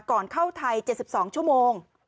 ก่อนเข้าไทย๗๒ชั่วโมง